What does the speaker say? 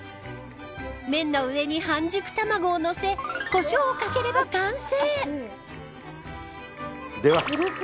麺の上に半熟卵をのせコショウをかければ完成。